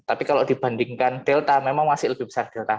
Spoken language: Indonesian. tapi kalau dibandingkan delta memang masih lebih besar delta